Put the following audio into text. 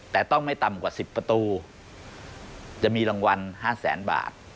แต่ต้องไม่ต่ำกว่า๑๐ประตูจะมีรางวัล๕แสนบาท